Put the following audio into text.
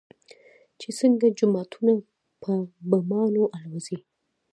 چې څنگه جوماتونه په بمانو الوزوي.